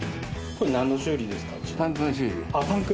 これなんの修理ですか？